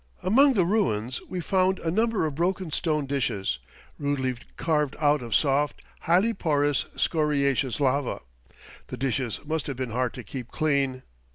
Among the ruins we found a number of broken stone dishes, rudely carved out of soft, highly porous, scoriaceous lava. The dishes must have been hard to keep clean!